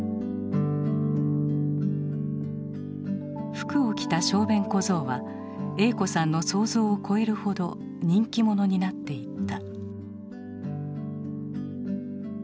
服を着た小便小僧は栄子さんの想像を超えるほど人気者になっていった。